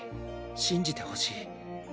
信じてほしい。